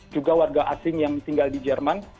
juga warga asing yang tinggal di jerman